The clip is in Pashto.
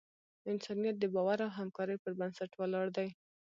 انسانیت د باور او همکارۍ پر بنسټ ولاړ دی.